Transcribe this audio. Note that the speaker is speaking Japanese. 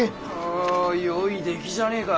およい出来じゃねえか。